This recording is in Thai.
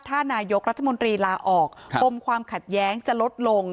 ถ้านายกรัฐมนตรีลาออกปมความขัดแย้งจะลดลง